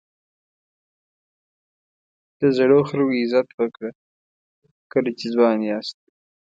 د زړو خلکو عزت وکړه کله چې ځوان یاست.